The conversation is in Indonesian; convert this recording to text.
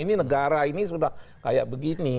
ini negara ini sudah kayak begini